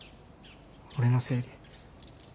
俺のせいで。